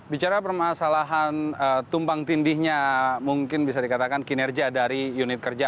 bicara permasalahan tumpang tindihnya mungkin bisa dikatakan kinerja dari unit kerja